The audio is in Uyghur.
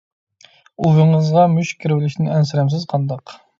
ئۇۋىڭىزغا مۈشۈك كىرىۋېلىشتىن ئەنسىرەمسىز قانداق؟